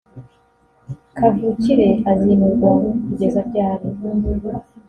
Kavukire azimurwa kugeza ryari